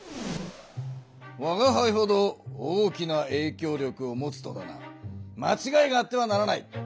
わがはいほど大きなえいきょう力を持つとだなまちがいがあってはならない！